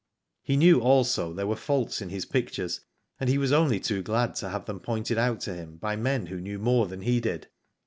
He knew also there were faults in his pictures, and he was only too glad to have them pointed out to him by men who knew more than he did.